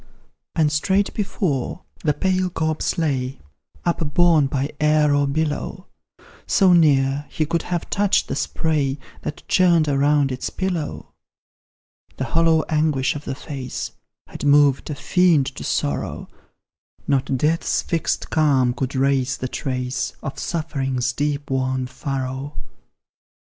And straight before, the pale corpse lay, Upborne by air or billow, So near, he could have touched the spray That churned around its pillow. The hollow anguish of the face Had moved a fiend to sorrow; Not death's fixed calm could rase the trace Of suffering's deep worn furrow.